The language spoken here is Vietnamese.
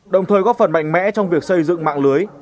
đồng thời góp phần mạnh mẽ trong việc xây dựng mạng lưới